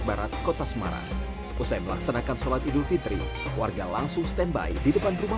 barat kota semarang usai melaksanakan sholat idul fitri warga langsung standby di depan rumah